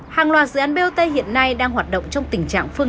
hàng loạt dự án bot hiện nay đang hoạt động trong tình trạng phương án